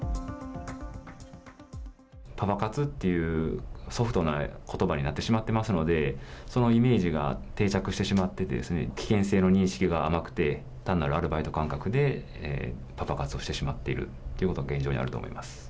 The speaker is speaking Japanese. パパ活っていうソフトなことばになってしまっていますので、そのイメージが定着してしまってて、危険性の認識が甘くて、単なるアルバイト感覚で、パパ活をしてしまっているということが現状にあると思います。